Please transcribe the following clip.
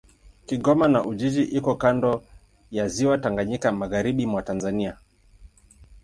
Kigoma na Ujiji iko kando ya Ziwa Tanganyika, magharibi mwa Tanzania.